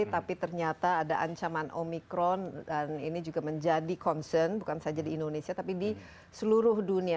tapi ternyata ada ancaman omikron dan ini juga menjadi concern bukan saja di indonesia tapi di seluruh dunia